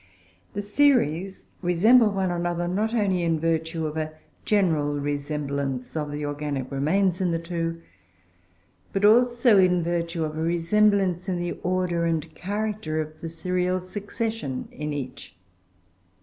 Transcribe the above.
The series resemble one another not only in virtue of a general resemblance of the organic remains in the two, but also in virtue of a resemblance in the order and character of the serial succession in each.